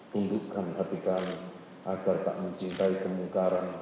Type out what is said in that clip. tundukkan hati kami agar tak mencintai kemungkaran